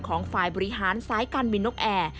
ของฝ่ายบริหารสายการบินนกแอร์